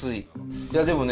いやでもね